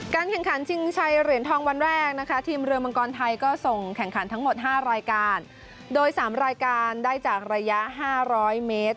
แข่งขันชิงชัยเหรียญทองวันแรกนะคะทีมเรือมังกรไทยก็ส่งแข่งขันทั้งหมด๕รายการโดย๓รายการได้จากระยะ๕๐๐เมตร